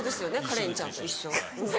カレンちゃんと一緒。